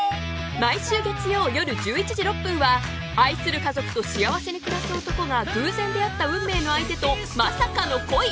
毎週月曜夜１１時６分は愛する家族と幸せに暮らす男が偶然出会った運命の相手とまさかの恋！？